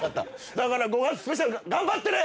だから５月スペシャル頑張ってね！